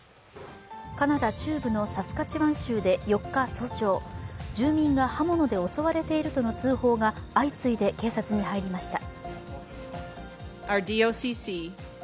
カナダ中部のサスカチワン州で４日早朝住民が刃物で沿われているとの通報が相次いで警察に入りました。